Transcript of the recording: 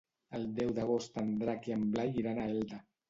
El deu d'agost en Drac i en Blai iran a Elda.